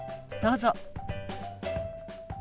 どうぞ。